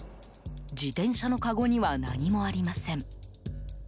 自転車のかごには何もありません。